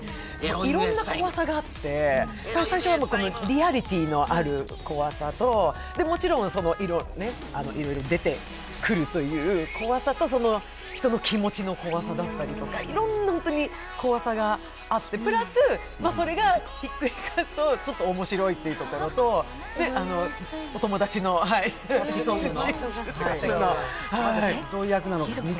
いろんな怖さがあって、最初はリアリティーのある怖さともちろんいろいろ出てくるという怖さと人の気持ちの怖さだったりとか、いろんな怖さがあって、プラスそれがひっくり返すとちょっと面白いというところとお友達のシソンヌの。